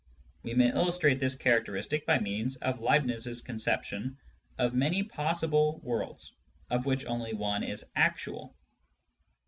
We may illustrate this characteristic by means of Leibniz's conception of many possible worlds, of which one only is actual.